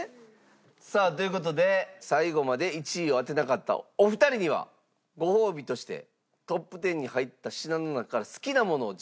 さあという事で最後まで１位を当てなかったお二人にはご褒美としてトップ１０に入った品の中から好きなものを自由に召し上がれる。